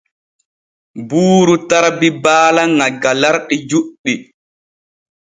Buuru tarbi baala ŋa galarɗi juɗɗi.